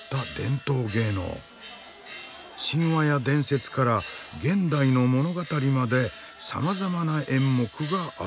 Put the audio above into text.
神話や伝説から現代の物語までさまざまな演目がある。